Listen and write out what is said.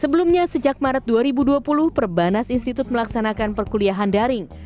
sebelumnya sejak maret dua ribu dua puluh perbanas institut melaksanakan perkuliahan daring